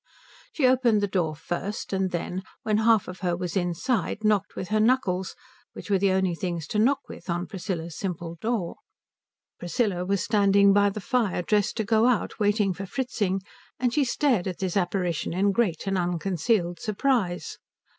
She opened the door first and then, when half of her was inside, knocked with her knuckles, which were the only things to knock with on Priscilla's simple door. Priscilla was standing by the fire dressed to go out, waiting for Fritzing, and she stared at this apparition in great and unconcealed surprise.